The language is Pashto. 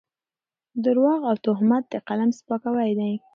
درواغ او تهمت د قلم سپکاوی دی.